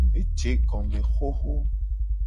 Eje egome hoho.